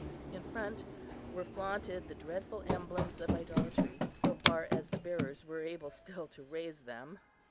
In front were flaunted the dreadful emblems of idolatry, so far as their bearers were able still to raise them.